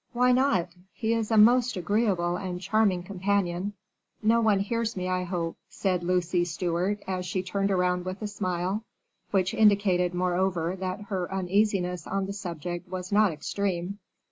"Why not? he is a most agreeable and charming companion. No one hears me, I hope," said Lucy Stewart, as she turned round with a smile, which indicated, moreover, that her uneasiness on the subject was not extreme.